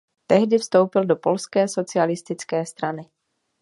Tehdy vstoupil do Polské socialistické strany.